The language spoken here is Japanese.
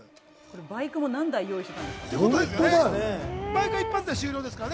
バイクも何台用意してたんですかね？